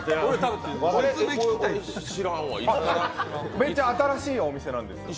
めっちゃ新しいお店なんです。